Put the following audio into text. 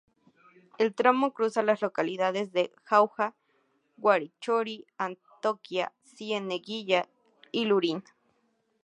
El tramo cruza las localidad de Jauja, Huarochirí, Antioquía, Cieneguilla y Lurín.